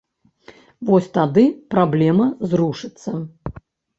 Вось тады праблема зрушыцца.